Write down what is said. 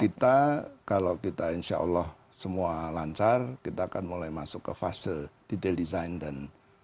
kita kalau kita insya allah semua lancar kita akan mulai masuk ke fase detail desain dan